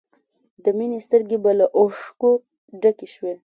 د مینې سترګې به له اوښکو ډکې شوې